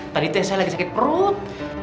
tadi teh saya lagi sakit perut